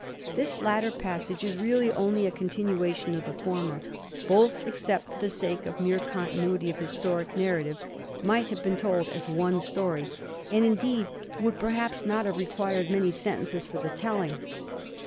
This latter passage is really only a continuation of the former ; both, except for the sake of mere continuity of historic narrative, might have been told as one story, and, indeed, would perhaps not have required many sen tences for the telling.